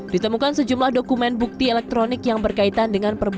ditemukan sejumlah dokumen bukti elektronik yang berkaitan dengan perbuatan